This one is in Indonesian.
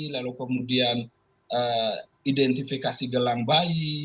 lalu kemudian identifikasi gelang bayi